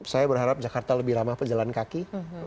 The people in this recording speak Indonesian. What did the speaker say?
saya berharap jakarta lebih ramah pejalan kaki